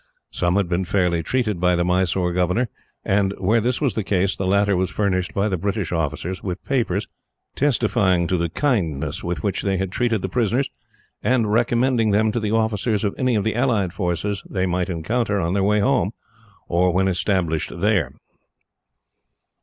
Some had been fairly treated by the Mysore governor, and where this was the case, the latter was furnished by the British officers with papers, testifying to the kindness with which they had treated the prisoners, and recommending them to the officers of any of the allied forces they might encounter on their way home, or when established there.